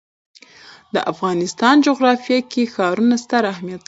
د افغانستان جغرافیه کې ښارونه ستر اهمیت لري.